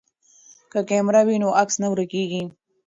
که کیمره وي نو عکس نه ورکیږي.